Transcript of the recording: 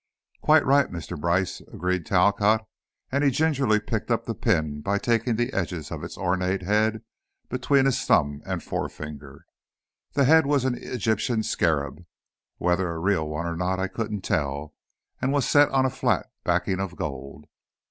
"Quite right, Mr. Brice," agreed Talcott, and he gingerly picked up the pin by taking the edges of its ornate head between his thumb and forefinger. The head was an Egyptian scarab, whether a real one or not I couldn't tell, and was set on a flat backing of gold.